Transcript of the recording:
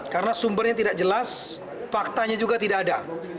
karena sumbernya tidak jelas faktanya juga tidak ada